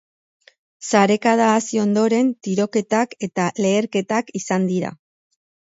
Sarekada hasi ondoren tiroketak eta leherketak izan dira.